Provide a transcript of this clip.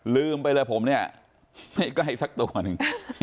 ลืมไปเลยผมเนี่ยไม่ใกล้สักตัวหนึ่ง